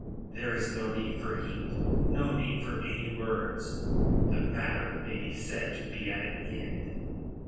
there is no need for heat, no need for any words. The matter may be said to be at an end."